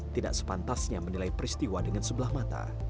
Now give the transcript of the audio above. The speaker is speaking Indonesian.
tidak sepantasnya menilai peristiwa dengan sebelah mata